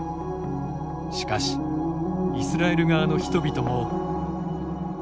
しかしイスラエル側の人々も。